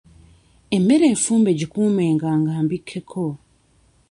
Emmere enfumbe gikuumenga nga mbikkeko.